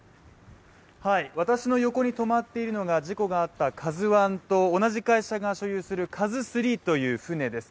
私の横に止まっているのが事故があった「ＫＡＺＵⅠ」と同じ会社が所有する「ＫＡＺＵⅢ」という船です。